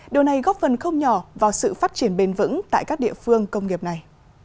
điều này góp phần không nhỏ vào sự phát triển bền vững tại các địa phương công nghiệp này